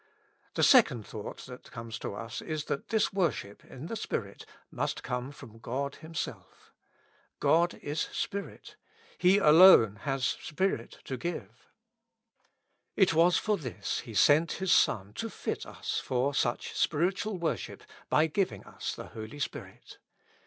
The second thought that comes to us is that this worship in the spirit must come from God himself. God is Spirit ; He alone has Spirit to give. It was for this He sent His Son to fit us for such spiritual worship by giving us the Holy Spirit.